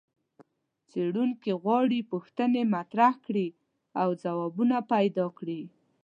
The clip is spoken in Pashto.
څېړونکي غواړي پوښتنې مطرحې کړي او ځوابونه پیدا کړي.